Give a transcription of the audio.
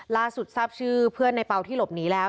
ล่าสุดทราบชื่อเพื่อนในเปล่าที่หลบหนีแล้ว